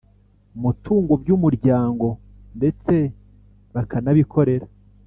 Mutungo by umuryango ndetse bakanabikorera